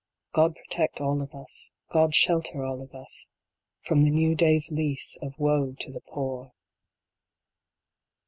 God protect all of us God shelter all of us From the new day s lease of woe to the Poor